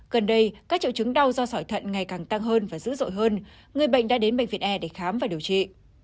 gần đây các triệu chứng đau do sỏi thận ngày càng tăng hơn và dữ dội hơn người bệnh đã đến bệnh viện e để khám và điều trị